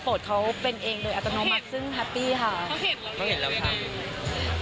โปรดเขาเป็นเองเลยอัตโนมัติซึ่งแฮปปี้ค่ะเขาเห็นแล้วค่ะ